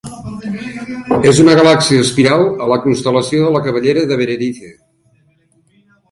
És una galàxia espiral a la constel·lació de la Cabellera de Berenice.